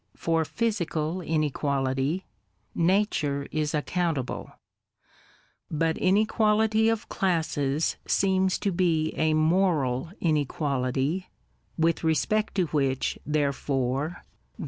for physical inequality, Nature is accountable; but inequality of classes seems to be a moral inequality, with respect to which, therefore, the D 38 LBOTUBE ill.